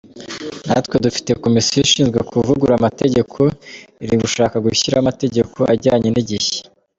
Natwe dufite komisiyo ishinzwe kuvugurura amategeko iri gushaka gushyiraho amategeko ajyanye n’igihe.